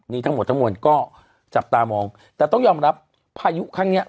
นี่ทั้งหมดทั้งมวลก็จับตามองแต่ต้องยอมรับพายุครั้งเนี้ย